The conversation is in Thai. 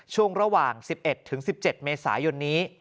ช่วงระหว่าง๑๑ถึง๑๗เมษายนนี้